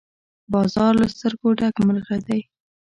باز له سترګو ډک مرغه دی